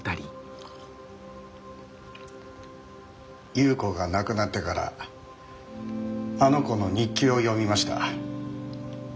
夕子が亡くなってからあの子の日記を読みました。